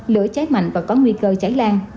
lửa cháy mạnh và có nguy cơ cháy lan